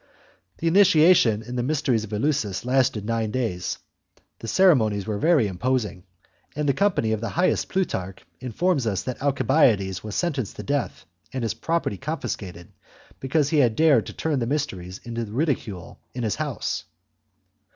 The initiation in the mysteries of Eleusis lasted nine days. The ceremonies were very imposing, and the company of the highest. Plutarch informs us that Alcibiades was sentenced to death and his property confiscated, because he had dared to turn the mysteries into ridicule in his house.